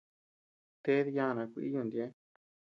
Ted yàna kuí yuntu ñëʼe.